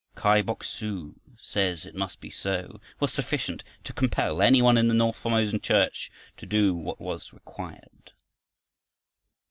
"Kai Bok su says it must be so" was sufficient to compel any one in the north Formosa Church to do what was required.